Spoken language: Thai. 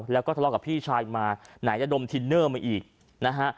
แล้วก็ทะเลาะกับพี่ชายมาไหนจะดมทินเนอร์มาอีกนะฮะ